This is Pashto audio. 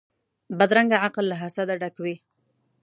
بدرنګه عقل له حسده ډک وي